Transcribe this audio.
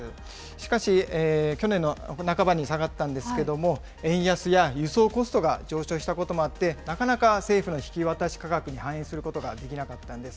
しかし、去年の半ばに下がったんですけれども、円安や輸送コストが上昇したこともあって、なかなか政府の引き渡し価格に反映することができなかったんです。